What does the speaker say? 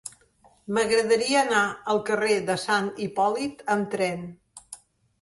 M'agradaria anar al carrer de Sant Hipòlit amb tren.